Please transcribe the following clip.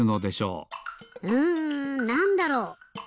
うんなんだろう？